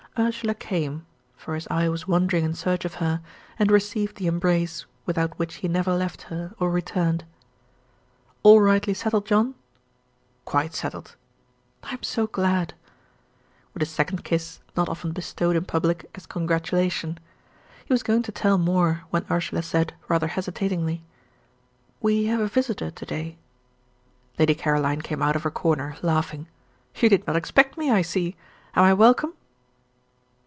Ursula came for his eye was wandering in search of her and received the embrace, without which he never left her, or returned. "All rightly settled, John?" "Quite settled." "I am so glad." With a second kiss, not often bestowed in public, as congratulation. He was going to tell more, when Ursula said, rather hesitatingly, "We have a visitor to day." Lady Caroline came out of her corner, laughing. "You did not expect me, I see. Am I welcome?"